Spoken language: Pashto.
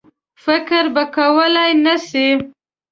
فکر به کولای نه سي.